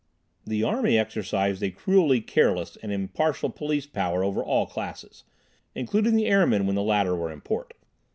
The army exercised a cruelly careless and impartial police power over all classes, including the airmen, when the latter were in port.